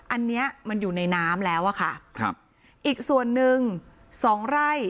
อันนี้มันอยู่ในน้ำแล้วอะค่ะครับอีกส่วนหนึ่งสองไร่